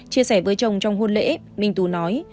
chia sẻ với chồng trong hôn lễ minh tú nói